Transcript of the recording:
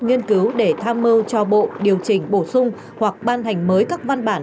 nghiên cứu để tham mưu cho bộ điều chỉnh bổ sung hoặc ban hành mới các văn bản